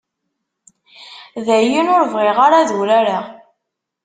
Dayen, ur bɣiɣ ara ad urareɣ.